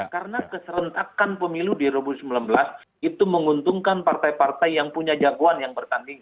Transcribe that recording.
karena keserentakan pemilu di dua ribu sembilan belas itu menguntungkan partai partai yang punya jagoan yang bertanding